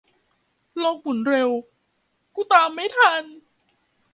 โลกหมุนเร็ว กูตามไม่ทัน